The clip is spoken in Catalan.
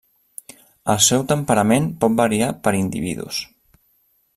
El seu temperament pot variar per individus.